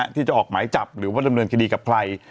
ที่จะออกหมายจับหรือว่าดำเนินคดีกับใคร